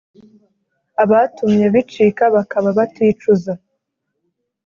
Abatumye bicika bakaba baticuza